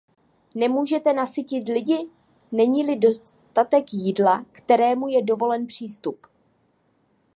Nemůžete nasytit lidi, není-li dostatek jídla, kterému je dovolen přístup.